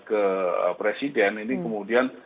ke presiden ini kemudian